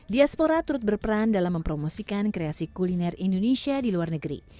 diaspora turut berperan dalam mempromosikan kreasi kuliner indonesia di luar negeri